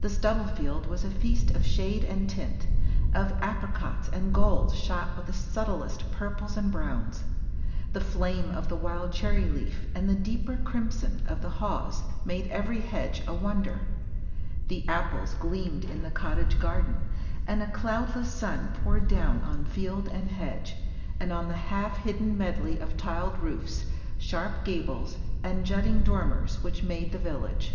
The stubble field was a feast of shade and tint, of apricots and golds shot with the subtlest purples and browns; the flame of the wild cherry leaf and the deeper crimson of the haws made every hedge a wonder; the apples gleamed in the cottage garden; and a cloudless sun poured down on field and hedge, and on the half hidden medley of tiled roofs, sharp gables, and jutting dormers which made the village.